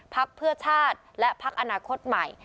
พักเพื่อชาติและพักอนาคตใหม่